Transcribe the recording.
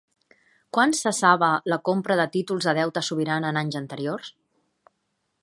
Quan cessava la compra de títols de deute sobirana en anys anteriors?